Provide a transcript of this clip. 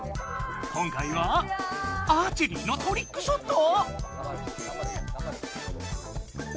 今回はアーチェリーのトリックショット⁉